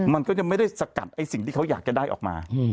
มันก็ยังไม่ได้สกัดไอ้สิ่งที่เขาอยากจะได้ออกมา